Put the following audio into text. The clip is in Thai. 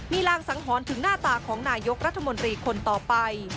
มีรางสังหรณ์ถึงหน้าตาของนายกรัฐมนตรีคนต่อไป